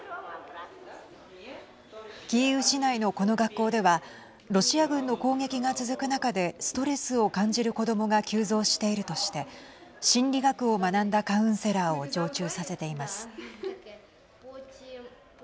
キーウ市内のこの学校ではロシア軍の攻撃が続く中でストレスを感じる子どもが急増しているとして心理学を学んだカウンセラーを常駐させています。